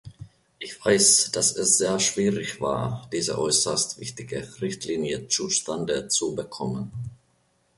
Ich weiß, dass es sehr schwierig war, diese äußerst wichtige Richtlinie zustande zu bekommen.